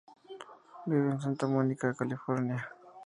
Vive en Santa Mónica, California.